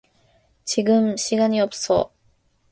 지금 시간이 없어